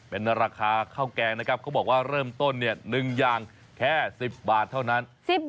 เป็นราคาข้าวแกงนะครับเขาบอกว่าเริ่มต้น๑อย่างแค่๑๐บาทเท่านั้น